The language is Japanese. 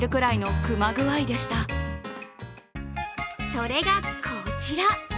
それがこちら。